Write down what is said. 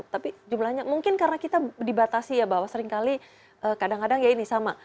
tapi jumlahnya mungkin karena kita dibatasi ya bahwa seringkali kadang kadang ya ini sama